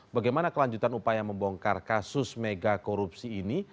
bagaimana kelanjutan upaya membongkar kasus mega korupsi ini